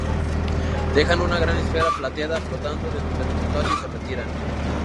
Dejan una gran esfera plateada flotando dentro del Portal, y se retiran.